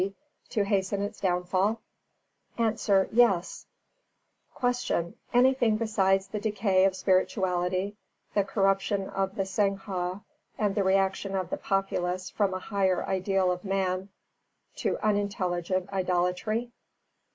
D. to hasten its downfall?_ A. Yes. 314. Q. _Anything besides the decay of spirituality, the corruption of the Sangha, and the reaction of the populace from a higher ideal of man to unintelligent idolatry?